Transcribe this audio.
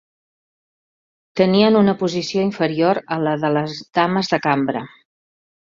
Tenien una posició inferior a la de les Dames de cambra.